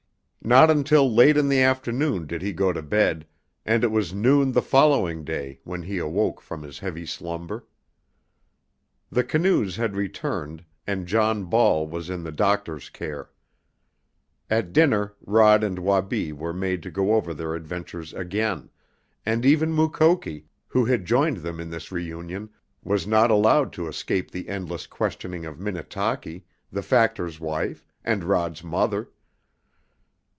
Not until late in the afternoon did he go to bed, and it was noon the following day when he awoke from his heavy slumber. The canoes had returned, and John Ball was in the doctor's care. At dinner Rod and Wabi were made to go over their adventures again, and even Mukoki, who had joined them in this reunion, was not allowed to escape the endless questioning of Minnetaki, the factor's wife, and Rod's mother.